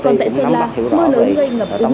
còn tại sơn la mưa lớn gây ngập ứng